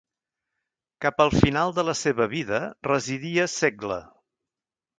Cap al final de la seva vida, residia a Segle.